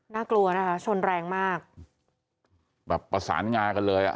กลัวนะคะชนแรงมากแบบประสานงากันเลยอ่ะ